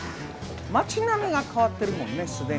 町並みが変わってるもんね既に。